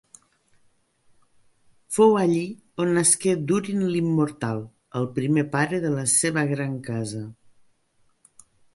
Fou allí on nasqué Durin l'Immortal, el primer pare de la seva gran casa.